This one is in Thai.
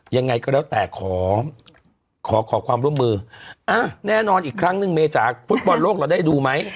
ยังไงก็แล้วแต่ขอขอความร่วมมือแน่นอนอีกครั้งหนึ่งเมจ๋าฟุตบอลโลกเราได้ดูไหม